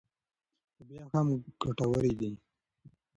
خو بیا هم ګټورې دي.